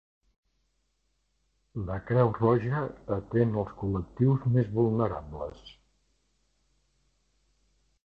La Creu Roja atén els col·lectius més vulnerables.